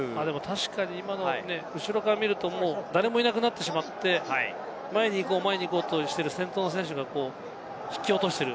確かに今の後ろから見ると、もう誰もいなくなってしまって、前に行こうとしている先頭の選手が引き起こしている。